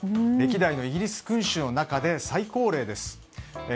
歴代のイギリス君主の中で最高齢です。